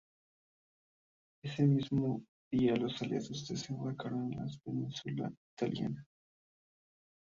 Ese mismo día los aliados desembarcaron en la península italiana.